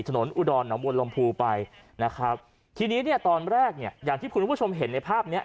ถนนอุดรหนังวลลมภูมิไปนะครับทีนี้ตอนแรกอย่างที่คุณผู้ชมเห็นในภาพนี้